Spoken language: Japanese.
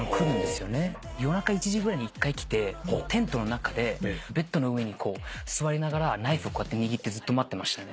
夜中１時ぐらいに一回来てテントの中でベッドの上にこう座りながらナイフをこうやって握ってずっと待ってました。